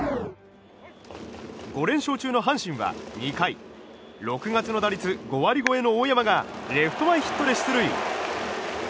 ５連勝中の阪神は２回６月の打率５割超えの大山がレフト前ヒットで出塁。